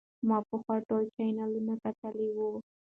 ما پخوا ټول چینلونه کتلي وو.